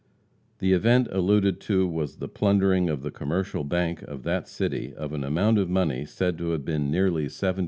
The event alluded to was the plundering of the Commercial Bank of that city of an amount of money said to have been nearly $70,000.